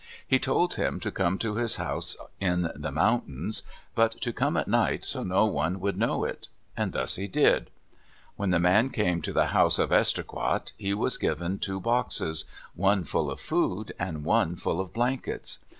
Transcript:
He told him to come to his house in the mountains, but to come at night so no one would know it. Thus he did. When the man came to the house of Esterreqot, he was given two boxes, one full of food and one full of blankets.